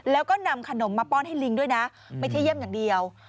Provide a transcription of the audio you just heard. แล้วก็นำขนมมาป้อนให้ลิงด้วยนะไม่ใช่เยี่ยมอย่างเดียว